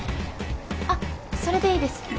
あっそれでいいです。